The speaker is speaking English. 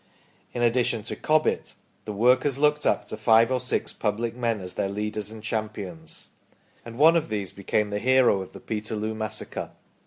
In addition to Cobbett, the workers looked up to five or six public men as their leaders and champions, and one of these be came the hero of the Peterloo massacre.